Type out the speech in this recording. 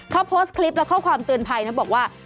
เขาโพสต์คลิปและข้อความเตือนภัยนะบอกว่า